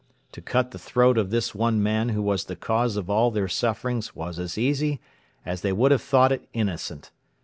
To cut the throat of this one man who was the cause of all their sufferings was as easy as they would have thought it innocent.